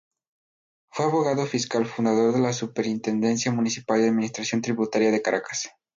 Fue abogado fiscal fundador de la Superintendencia Municipal de Administración Tributaria de Caracas.